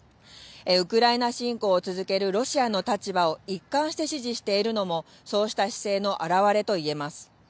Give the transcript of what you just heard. ウクライナ侵攻を続けるロシアの立場を一貫して支持しているのも、そうした姿勢の表れと言えます。